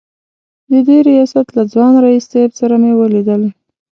د دې ریاست له ځوان رییس صیب سره مې ولیدل.